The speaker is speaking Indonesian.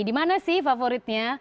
di mana sih favoritnya